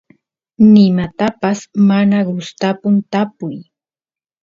nimatapas mana gustapun tapuy